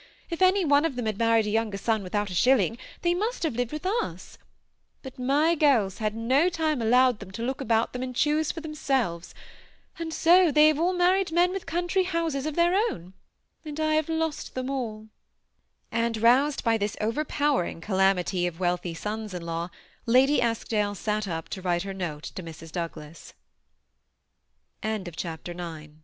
If any one of them had married a younger son without a shilling, they must have lived with us ; but my girls had no time allowed them to look about them and choose for themselves ; and so they have all mar ried men with country houses of their own, and I have lost them all" And roused by this overpowering calamity of Wealthy sons in law, Lady Eskdale sat up to write her note to